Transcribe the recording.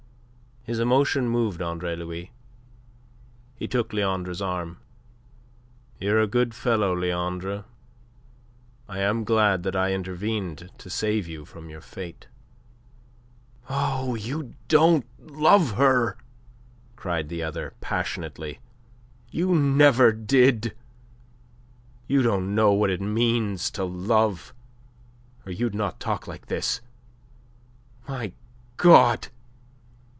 His emotion moved Andre Louis. He took Leandre's arm. "You're a good fellow, Leandre. I am glad I intervened to save you from your fate." "Oh, you don't love her!" cried the other, passionately. "You never did. You don't know what it means to love, or you'd not talk like this. My God!